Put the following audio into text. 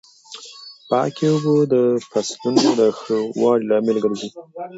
پاکې اوبه د فصلونو د ښه والي لامل ګرځي.